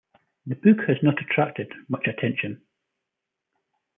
The book has not attracted much attention.